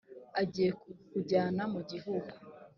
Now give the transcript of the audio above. agiye kukujyana mu gihugu